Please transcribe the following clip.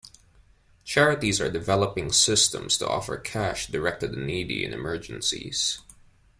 Charities are developing systems to offer cash direct to the needy in emergencies.